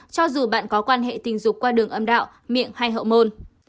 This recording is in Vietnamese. cho dù bạn có quan hệ tình dục qua đường âm đạo miệng hay hậu môn